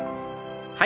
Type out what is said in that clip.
はい。